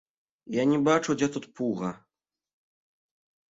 Я не бачу, дзе тут пуга.